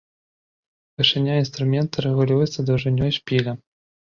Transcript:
Вышыня інструмента рэгулюецца даўжынёй шпіля.